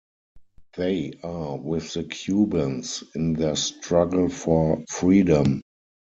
They are with the Cubans in their struggle for freedom.